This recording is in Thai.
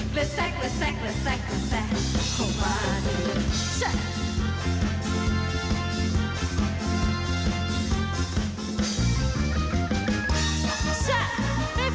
กระแทรกกระแทรกกระแทรกกระแทรกเข้ามาสิ